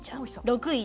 ６位